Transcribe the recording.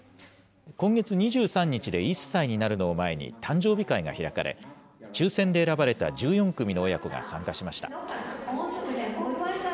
今月２３日で１歳になるのを前に、誕生日会が開かれ、抽せんで選ばれた１４組の親子が参加しました。